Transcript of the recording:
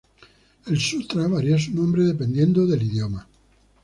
El Sutra varía su nombre dependiendo del idioma.